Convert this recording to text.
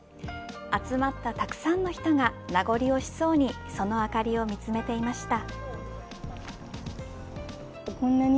集まったたくさんの人が名残惜しそうにその明かりを見つめていました。